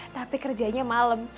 tapi kerjanya malam